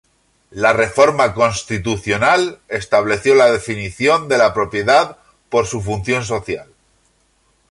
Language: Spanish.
La reforma constitucional estableció la definición de la propiedad por su función social.